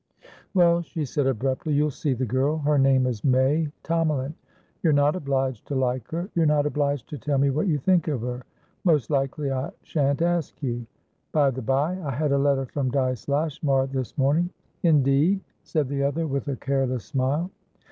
"Well," she said, abruptly, "you'll see the girl. Her name is May Tomalin. You're not obliged to like her. You're not obliged to tell me what you think of her. Most likely I shan't ask you. By the bye, I had a letter from Dyce Lashmar this morning." "Indeed?" said the other, with a careless smile.